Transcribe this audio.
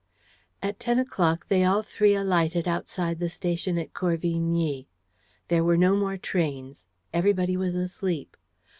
At ten o'clock they all three alighted outside the station at Corvigny. There were no more trains. Everybody was asleep.